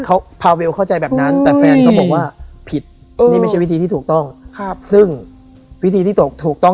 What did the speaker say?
เขาพาเวลเข้าใจแบบนั้นแต่แฟนก็บอกว่าผิดนี่ไม่ใช่วิธีที่ถูกต้องครับซึ่งวิธีที่ตกถูกต้อง